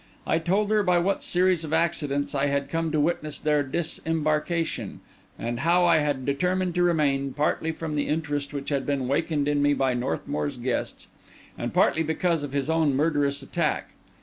I told her by what series of accidents I had come to witness their disembarkation, and how I had determined to remain, partly from the interest which had been wakened in me by Northmour's guests, and partly because of his own murderous attack.